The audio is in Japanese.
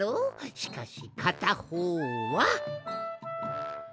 しかしかたほうは。